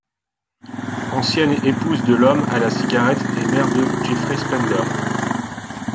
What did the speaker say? Ancienne épouse de l'homme à la cigarette et mère de Jeffrey Spender.